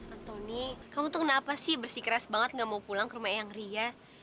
anthony kamu tuh kenapa sih bersih keras banget gak mau pulang ke rumah yang ria